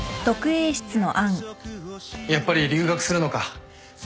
・やっぱり留学するのか